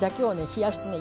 冷やしてね